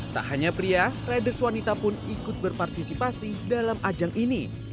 tak hanya pria riders wanita pun ikut berpartisipasi dalam ajang ini